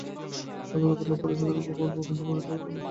অর্থগত লাভ সেখানে খুব অল্প, কিন্তু পরার্থপরতা সেখানে প্রচুর।